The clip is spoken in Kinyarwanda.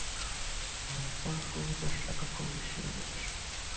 Umukobwa uba udashaka ko wishimisha